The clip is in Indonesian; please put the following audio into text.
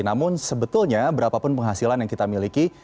namun sebetulnya berapapun penghasilan yang kita miliki